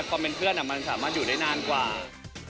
ความเป็นเพื่อนมันสามารถอยู่ได้นานกว่า